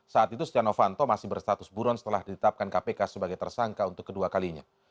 saat itu setia novanto masih berstatus buron setelah ditetapkan kpk sebagai tersangka untuk kedua kalinya